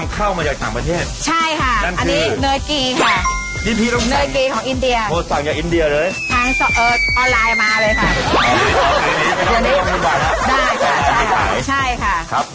ตังค์เข้ามาจากสามประเทศใช่ค่ะนั่นคือเนอร์กรีค่ะ